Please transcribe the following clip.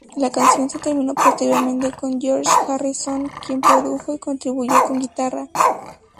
La canción se terminó posteriormente con George Harrison quien produjo y contribuyó con guitarra.